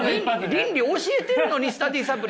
倫理教えてるのにスタディサプリで。